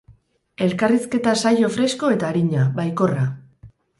Elkarrizketa saio fresko eta arina, baikorra.